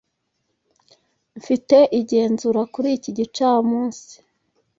Mfite igenzura kuri iki gicamunsi.